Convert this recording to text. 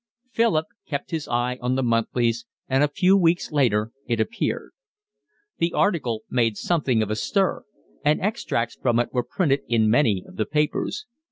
Philip kept his eye on the monthlies, and a few weeks later it appeared. The article made something of a stir, and extracts from it were printed in many of the papers.